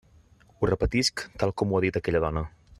Ho repetisc tal com m'ho ha dit aquella dona.